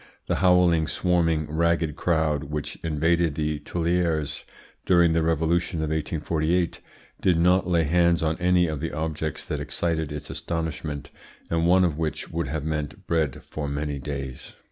The howling, swarming, ragged crowd which invaded the Tuileries during the revolution of 1848 did not lay hands on any of the objects that excited its astonishment, and one of which would have meant bread for many days.